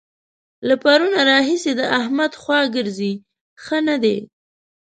له پرونه راهسې د احمد خوا ګرځي؛ ښه نه دی.